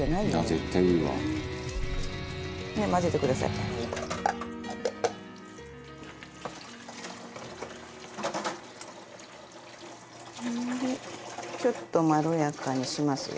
財前：ちょっとまろやかにします。